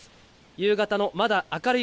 夕方のまだ明るい